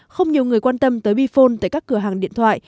không nhiều người quan tâm tới bihone tại các cửa hàng điện thoại